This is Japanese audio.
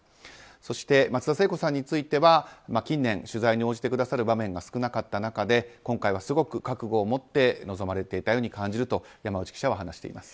そして、松田聖子さんについては近年、取材に応じてくださる場面が少なかった中で今回は、すごく覚悟を持って臨まれていたように感じると山内記者は話しています。